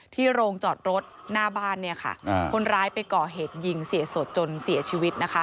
โรงจอดรถหน้าบ้านคนร้ายไปก่อเหตุยิงเสียสดจนเสียชีวิตนะคะ